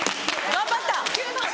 頑張った。